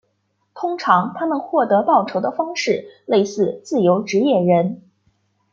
通常他们获得报酬的方式类似自由职业人。